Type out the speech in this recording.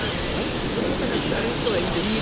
子どもさんがたくさんいる人はいいですよね。